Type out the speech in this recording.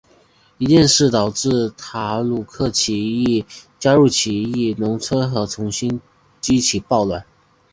这一事件导致塔鲁克加入起义农民和重新激起暴乱。